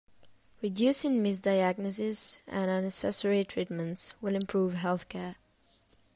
Reducing misdiagnoses and unnecessary treatments will improve healthcare.